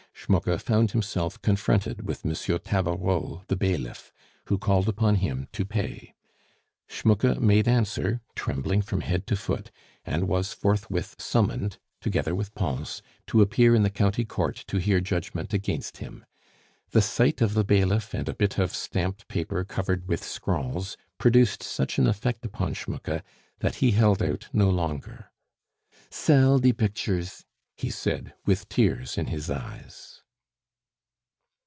Schmucke found himself confronted with M. Tabareau the bailiff, who called upon him to pay. Schmucke made answer, trembling from head to foot, and was forthwith summoned together with Pons, to appear in the county court to hear judgment against him. The sight of the bailiff and a bit of stamped paper covered with scrawls produced such an effect upon Schmucke, that he held out no longer. "Sell die bictures," he said, with tears in his eyes.